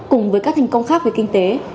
cùng với các thành công khác về kinh tế